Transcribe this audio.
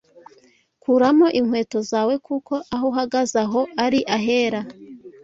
Kuramo inkweto zawe kuko aho uhagaze aho ari ahera